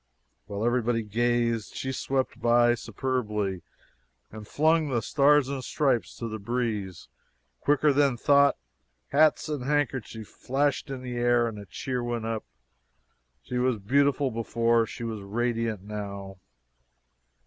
While everybody gazed she swept superbly by and flung the Stars and Stripes to the breeze! Quicker than thought, hats and handkerchiefs flashed in the air, and a cheer went up! She was beautiful before she was radiant now.